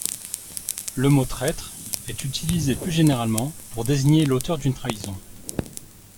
Le mot traître est utilisé plus généralement pour désigner l'auteur d'une trahison.